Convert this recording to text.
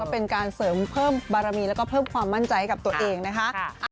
เป็นการเสริมเพิ่มบารมีแล้วก็เพิ่มความมั่นใจกับตัวเองนะคะ